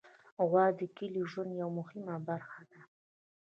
غوا د کلي ژوند یوه مهمه برخه ده.